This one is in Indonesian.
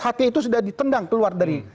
hati itu sudah ditendang keluar dari